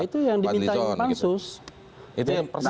ya itu yang diminta pansus